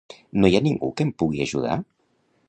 No hi ha ningú que em pugui ajudar?